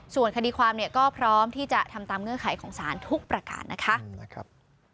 ส่วนคดีความเนี่ยก็พร้อมที่จะทำตามเงื่อนไขของศาลทุกประการนะคะ